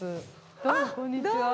どうもこんにちは。